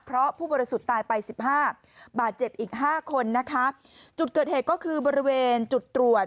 เพราะผู้บริสุทธิ์ตายไปสิบห้าบาดเจ็บอีกห้าคนนะคะจุดเกิดเหตุก็คือบริเวณจุดตรวจ